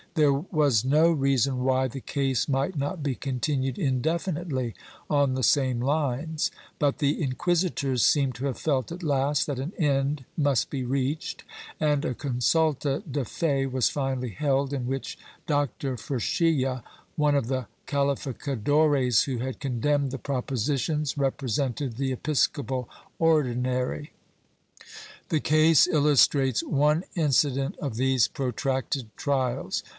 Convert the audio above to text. There was no reason why the case might not be continued indefinitely on the same lines, but the inquisitors seem to have felt at last that an end must be reached, and a consulta de fe was finally held, in which Dr. Frechilla, one of the calificadores who had condemned the propositions, represented the episcopal Ordinary.^ The case illustrates one incident of these protracted trials.